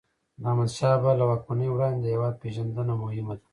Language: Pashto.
د احمدشاه بابا له واکمنۍ وړاندې د هیواد پېژندنه مهم ده.